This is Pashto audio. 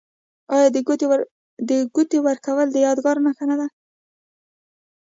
آیا د ګوتې ورکول د یادګار نښه نه ده؟